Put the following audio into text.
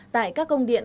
tại các công điện